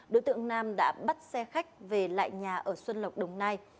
đối tượng nam đã bắt xe khách về lại nhà ở xuân lộc đồng nai